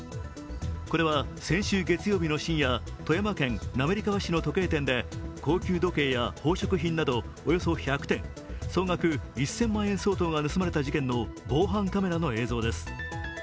これは先週月曜日の深夜富山県滑川市の時計店で高級時計や宝飾品などおよそ１００点総額１０００万円相当が盗まれた事件の防犯カメラの映像です。